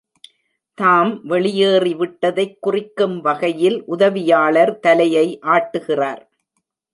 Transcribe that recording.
தாம் வெளியேறி விட்டதைக் குறிக்கும் வகையில் உதவியாளர் தலையை ஆட்டுகிறார்..